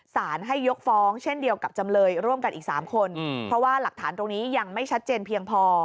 สารให้ยกฟ้องเช่นเดียวกับจำเลยร่วมกันอีก๓คนเพราะว่าหลักฐานตรงนี้ยังไม่ชัดเจนเพียงพอ